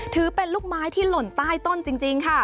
ถือเป็นลูกไม้ที่หล่นใต้ต้นจริงค่ะ